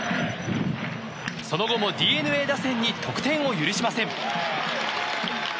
その後もＤｅＮＡ打線に得点を許しません。